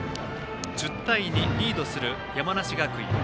１０対２、リードする山梨学院。